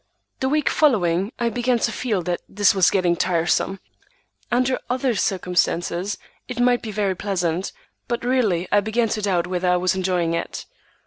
The week following I began to feel that this was getting tiresome. Under other circumstances it might be very pleasant, but really I began to doubt whether I was enjoying it.